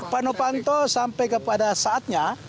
pano panto sampai kepada saatnya